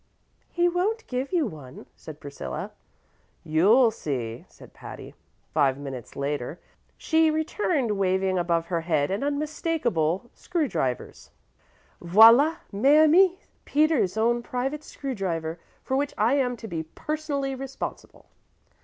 "He won't give you one," said Priscilla. "You'll see," said Patty. Five minutes later she returned waving above her head an unmistakable screw driver. "Voilà, mes amies! Peters's own private screw driver, for which I am to be personally responsible."